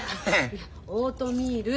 いやオートミール。